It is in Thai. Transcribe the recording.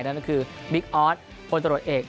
นั่นก็คือบิ๊กออสพลตรวจเอก